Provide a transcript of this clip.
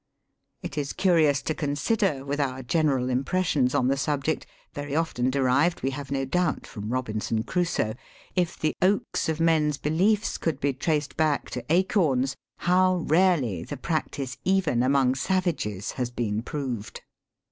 It is curious to consider, with our general impressions on the subject — very often derived, we have no doubt, from ROBINSON CRUSOE, if the oaks of men's beliefs could be traced back to acorns — how rarely the practice, even among savages, has been proved.